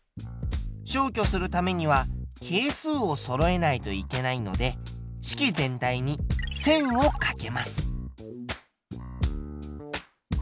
消去するためには係数をそろえないといけないので式全体に１０００をかけます。